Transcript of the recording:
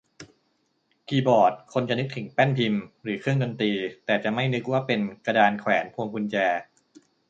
คีย์บอร์ด คนจะนึกถึงแป้นพิมพ์ หรือเครื่องดนตรี แต่จะไม่นึกว่าเป็นกระดานแขวนพวงกุญแจ